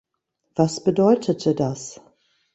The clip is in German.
Was bedeutete das?